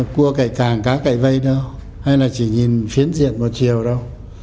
cua cậy càng cá cậy vây đâu hay là chỉ nhìn phiến diện một chiều đâu